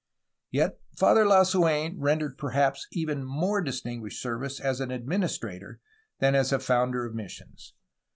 Yet, Father Lasuen rendered perhaps even more dis tinguished service as an administrator than as a founder of missions.